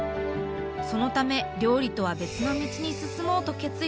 そのため料理とは別の道に進もうと決意したといいます。